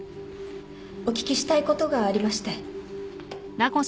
お聞きしたいことがありまして。